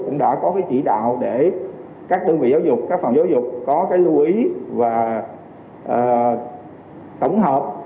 cũng đã có cái chỉ đạo để các đơn vị giáo dục các phòng giáo dục có cái lưu ý và tổng hợp